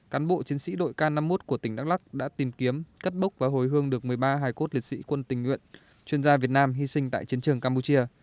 cán bộ chiến sĩ đội k năm mươi một của tỉnh đắk lắc đã tìm kiếm cất bốc và hồi hương được một mươi ba hải cốt liệt sĩ quân tình nguyện chuyên gia việt nam hy sinh tại chiến trường campuchia